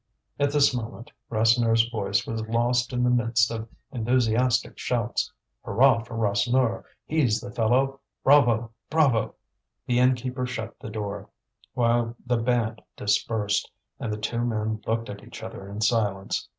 At this moment Rasseneur's voice was lost in the midst of enthusiastic shouts: "Hurrah for Rasseneur! he's the fellow! Bravo, bravo!" The innkeeper shut the door, while the band dispersed; and the two men looked at each other in silence.